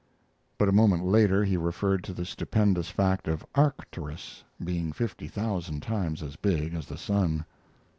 But a moment later he referred to the stupendous fact of Arcturus being fifty thousand times as big as the sun.